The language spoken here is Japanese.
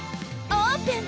オープン！